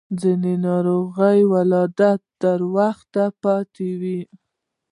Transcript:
د ځينو د ناروغ ولادت ته لا وخت پاتې و.